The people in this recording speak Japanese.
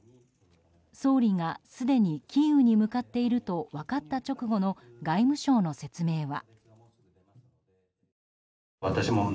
総理が、すでにキーウに向かっていると分かった直後の外務省の説明は。